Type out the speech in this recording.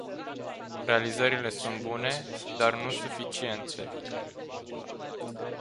Realizările sunt bune, dar nu suficiente.